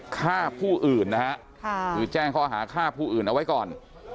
ฆ่าผู้อื่นนะฮะคือแจ้งข้อหาฆ่าผู้อื่นเอาไว้ก่อน